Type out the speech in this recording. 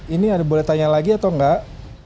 ini boleh tanya lagi atau enggak